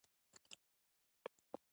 د ارګان غوړي د څه لپاره وکاروم؟